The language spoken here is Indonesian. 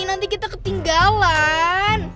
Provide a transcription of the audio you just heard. nanti kita ketinggalan